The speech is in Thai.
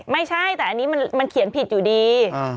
ไม่ใช่แต่อันนี้มันเขียนผิดอยู่ดี